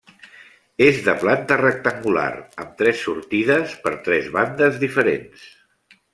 És de planta rectangular amb tres sortides per tres bandes diferents.